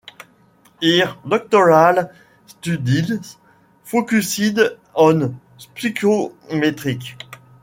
Her doctoral studies focused on psychometrics.